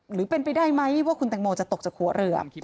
หรือเป็นไปได้ไหมว่าคุณแตงโมจะตกจากหัวเรือ